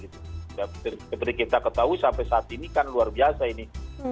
seperti kita ketahui sampai saat ini kan luar biasa ini